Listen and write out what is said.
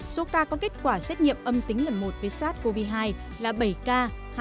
số ca có kết quả xét nghiệm âm tính lần một với sars cov hai là bảy ca hai